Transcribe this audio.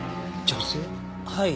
はい。